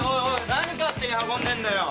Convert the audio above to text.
何勝手に運んでんだよ？